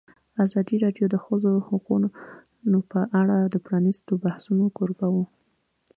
ازادي راډیو د د ښځو حقونه په اړه د پرانیستو بحثونو کوربه وه.